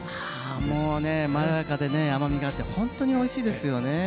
もうねまろやかでね甘みがあってホントにおいしいですよね。